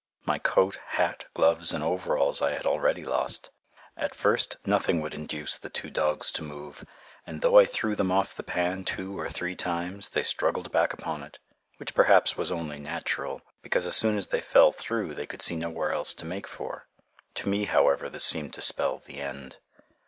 My coat, hat, gloves, and overalls I had already lost. At first, nothing would induce the two dogs to move, and though I threw them off the pan two or three times, they struggled back upon it, which perhaps was only natural, because as soon as they fell through they could see nowhere else to make for. To me, however, this seemed to spell "the end."